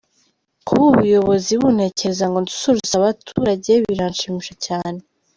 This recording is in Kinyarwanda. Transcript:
Kuba ubuyobozi buntekereza ngo nsusurutse abaturage biranshimisha cyane.